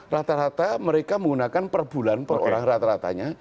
rata rata mereka menggunakan per bulan per orang rata ratanya